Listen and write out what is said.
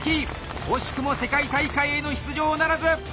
惜しくも世界大会への出場ならず！